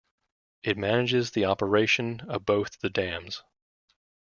It manages the operation of both the dams.